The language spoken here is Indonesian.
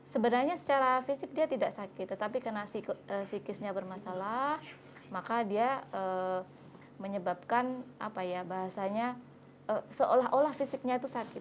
sebenarnya secara fisik dia tidak sakit tetapi karena psikisnya bermasalah maka dia menyebabkan apa ya bahasanya seolah olah fisiknya itu sakit